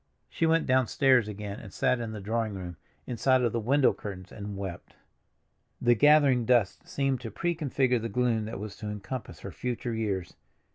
She went downstairs again, and sat in the drawing room, inside of the window curtains, and wept. The gathering dusk seemed to prefigure the gloom that was to encompass her future years.